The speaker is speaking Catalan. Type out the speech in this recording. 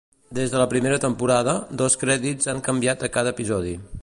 Des de la primera temporada, dos crèdits han canviat a cada episodi.